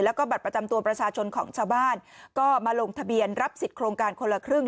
แล้วก็บัตรประจำตัวประชาชนของชาวบ้านก็มาลงทะเบียนรับสิทธิ์โครงการคนละครึ่ง